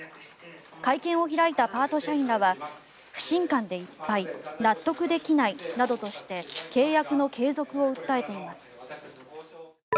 会見を開いたパート社員らは不信感でいっぱい納得できないなどとして契約の継続を訴えています。